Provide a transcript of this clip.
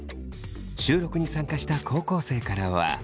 収録に参加した高校生からは。